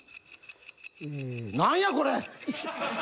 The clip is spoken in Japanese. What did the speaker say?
何やこれ！